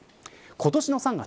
今年の３月。